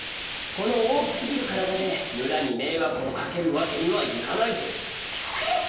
このおおきすぎるからだでむらにめいわくをかけるわけにはいかないぞ。えっ！？